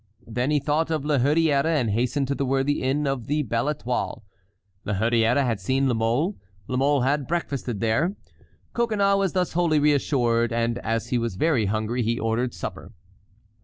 Then he thought of La Hurière and hastened to the worthy inn of the Belle Étoile. La Hurière had seen La Mole; La Mole had breakfasted there. Coconnas was thus wholly reassured, and as he was very hungry he ordered supper.